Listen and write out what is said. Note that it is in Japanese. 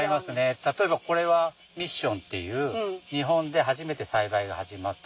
例えばこれはミッションっていう日本で初めて栽培が始まった品種。